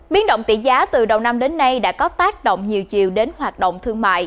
biến động tỷ giá từ đầu năm đến nay đã có tác động nhiều chiều đến hoạt động thương mại